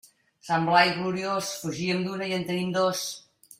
Sant Blai gloriós, fugíem d'una i en tenim dos.